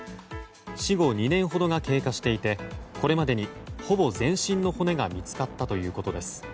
死後２年ほどが経過していてこれまでに、ほぼ全身の骨が見つかったということです。